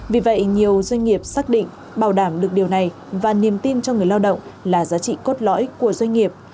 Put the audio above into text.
vì vậy nhiều doanh nghiệp xác định bảo đảm được điều này và niềm tin cho người lao động là giá trị cốt lõi của doanh nghiệp